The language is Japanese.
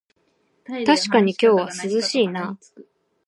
たしかに今日は涼しいな